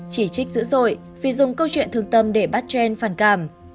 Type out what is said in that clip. chỉ trích dữ dội vì dùng câu chuyện thương tâm để bắt trend phản cảm